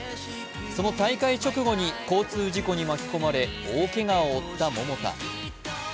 その大会直後に交通事故に巻き込まれ大けがを負った桃田。